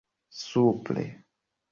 supre